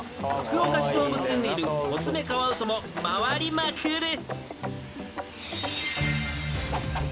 ［福岡市動物園にいるコツメカワウソも回りまくる］